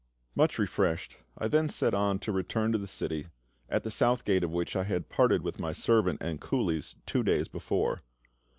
Much refreshed, I then set on to return to the city, at the South Gate of which I had parted with my servant and coolies two days before.